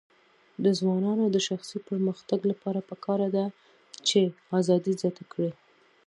د ځوانانو د شخصي پرمختګ لپاره پکار ده چې ازادي زیاته کړي.